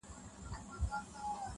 و تیارو ته مي له لمره پیغام راوړ,